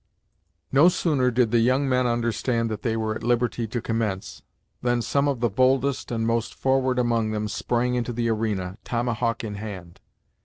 No sooner did the young men understand that they were at liberty to commence, than some of the boldest and most forward among them sprang into the arena, tomahawk in hand.